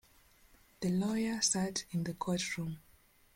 The lawyer sat in the courtroom.